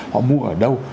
họ mua ở đâu